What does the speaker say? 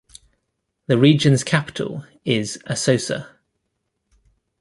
The region's capital is Assosa.